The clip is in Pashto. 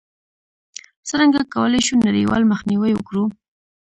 څرنګه کولای شو نړیوال مخنیوی وکړو؟